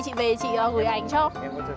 thì em thấy chắc bằng lòng không